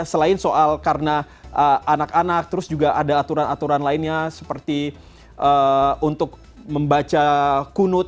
selain soal karena anak anak terus juga ada aturan aturan lainnya seperti untuk membaca kunut